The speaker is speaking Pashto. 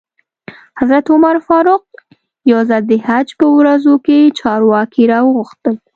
حضرت عمر فاروق یو ځل د حج په ورځو کې چارواکي را وغوښتل.